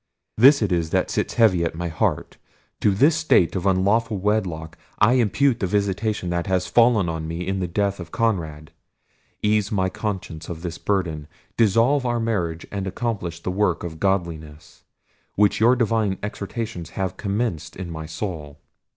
This it is that sits heavy at my heart: to this state of unlawful wedlock I impute the visitation that has fallen on me in the death of Conrad!—ease my conscience of this burden: dissolve our marriage, and accomplish the work of godliness—which your divine exhortations have commenced in my soul."